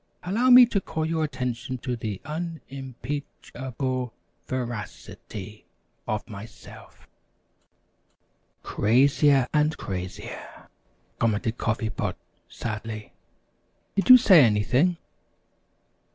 "Allow me to call your attention to the un im peach able ver ac i ty of myself." "Crazier and crazier!" commented Coffee Pot, sadly. "Did you say anything?"